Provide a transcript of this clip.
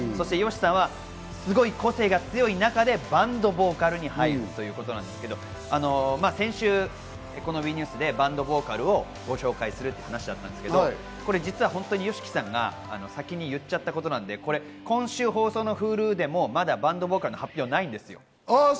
ＹＯＳＨＩさんはすごい個性が強い中でバンドボーカルに入るということですが、先週、ＷＥニュースでバンドボーカルをご紹介するという話だったんですが、実は本当にＹＯＳＨＩＫＩさんが先に言っちゃったことなので、今週放送のＨｕｌｕでもまだバンドボーカルの発表ないんですよ。